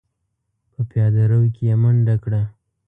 په پياده رو کې يې منډه کړه.